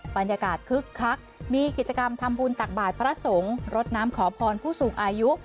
คึกคักมีกิจกรรมทำบุญตักบาทพระสงฆ์รดน้ำขอพรผู้สูงอายุ